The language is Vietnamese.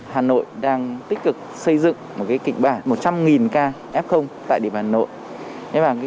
hà nội đang tích cực xây dựng một kịch bản một trăm linh k f tại địa bàn hà nội